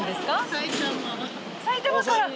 埼玉から！